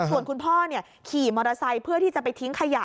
ส่วนคุณพ่อขี่มอเตอร์ไซค์เพื่อที่จะไปทิ้งขยะ